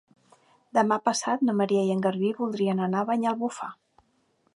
Demà passat na Maria i en Garbí voldrien anar a Banyalbufar.